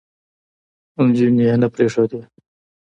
نجونې يې نه پرېښودې،